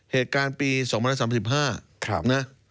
เหตุการณ์ปี๒๐๓๕นะ